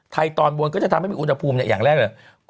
ตอนบนก็จะทำให้มีอุณหภูมิอย่างแรกเลย